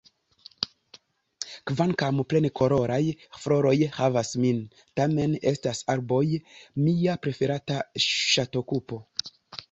Kvankam plenkoloraj floroj ravas min, tamen estas arboj mia preferata ŝatokupo.